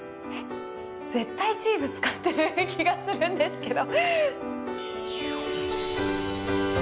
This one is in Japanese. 絶対チーズ使ってる気がするんですけど。